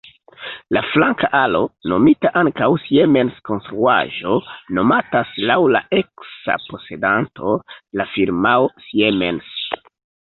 La flanka alo, nomita ankaŭ Siemens-konstruaĵo, nomatas laŭ la eksa posedanto, la firmao Siemens.